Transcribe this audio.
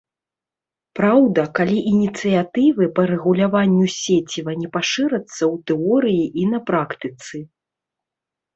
Праўда, калі ініцыятывы па рэгуляванню сеціва не пашырацца ў тэорыі і на практыцы.